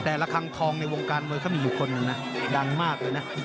ละครั้งทองในวงการมวยเขามีอยู่คนหนึ่งนะดังมากเลยนะ